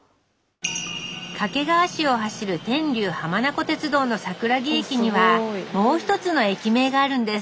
掛川市を走る天竜浜名湖鉄道の桜木駅にはもう一つの駅名があるんです。